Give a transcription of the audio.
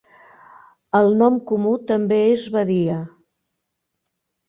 El nom comú també és badia.